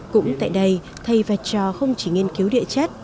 cũng tại đây thay vật cho không chỉ nghiên cứu địa chất